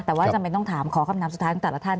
แต่ไปต้องถามขอคำนามสุดท้ายของแต่ละท่าน